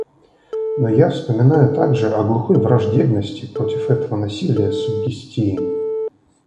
Но я вспоминаю также о глухой враждебности против этого насилия суггестии.